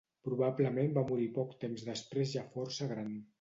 Probablement va morir poc temps després ja força gran.